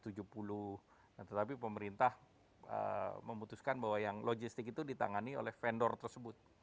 nah tetapi pemerintah memutuskan bahwa yang logistik itu ditangani oleh vendor tersebut